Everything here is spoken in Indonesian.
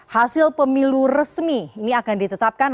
hasil pemilu resmi ini akan ditetapkan